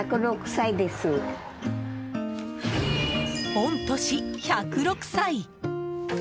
御年１０６歳！